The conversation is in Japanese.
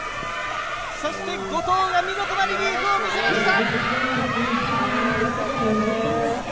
そして後藤が見事なリリーフを見せました。